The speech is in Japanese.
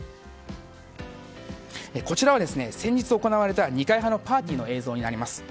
こちらは先日行われた二階派のパーティーの映像になります。